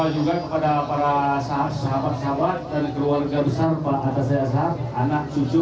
juga kepada para sahabat sahabat dan keluarga besar bapak antasari ashar anak cucu